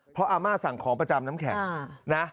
เพราะอำมาตย์สั่งของประจำน้ำแข็ง